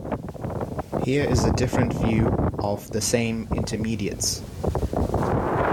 Here is a different view of the same intermediates.